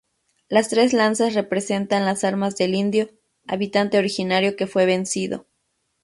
Las tres lanzas representan las armas del indio -habitante originario que fue vencido-.